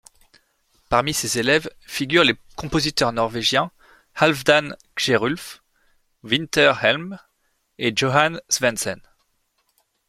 Parmi ses élèves figurent les compositeurs norvégiens Halfdan Kjerulf, Winter-Hjelm et Johan Svendsen.